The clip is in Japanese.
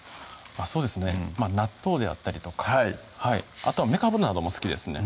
そうですね納豆であったりとかあとはめかぶなども好きですね